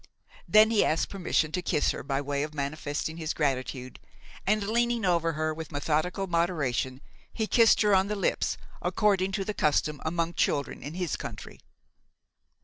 Then he asked permission to kiss her by way of manifesting his gratitude, and, leaning over her with methodical moderation, he kissed her on the lips, according to the custom among children in his country.